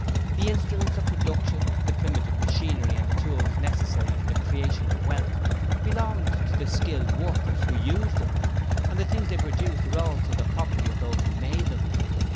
The instruments of production the primitive machinery and the tools necessary for the creation of wealth belonged to the skilled workers who used them, and the things they produced were also the property of those who made them.